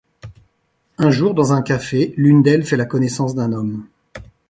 Un jour, dans un café, l'une d'elles fait la connaissance d'un homme.